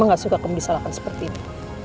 mama gak suka kamu disalahkan seperti ini